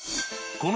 この。